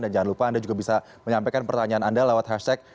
dan jangan lupa anda juga bisa menyampaikan pertanyaan anda lewat hashtag